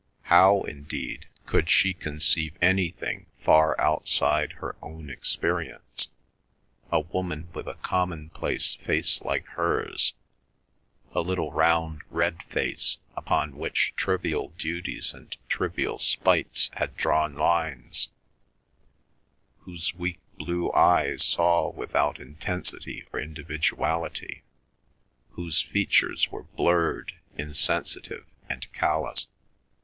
How, indeed, could she conceive anything far outside her own experience, a woman with a commonplace face like hers, a little round red face, upon which trivial duties and trivial spites had drawn lines, whose weak blue eyes saw without intensity or individuality, whose features were blurred, insensitive, and callous?